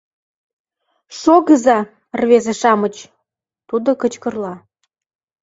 — Шогыза, рвезе-шамыч! — тудо кычкырла.